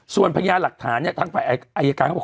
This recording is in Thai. ส่วนพยานหลักฐานเนี่ยทางฝ่ายอายการเขาบอก